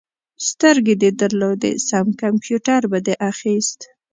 سترګې دې درلودې؛ سم کمپيوټر به دې اخيست.